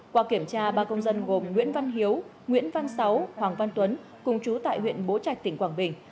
qua kiểm tra ba công dân gồm nguyễn văn hiếu nguyễn văn sáu hoàng văn tuấn cùng chú tại huyện bố trạch tỉnh quảng bình